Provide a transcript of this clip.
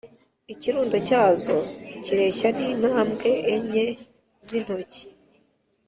ikirundo cyazo kireshya n intambwe enye z intoki